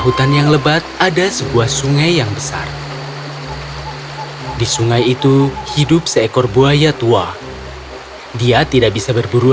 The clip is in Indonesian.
ini sangat sulit untuk pergi ke darat dan berburu